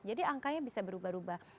jadi angkanya bisa berubah ubah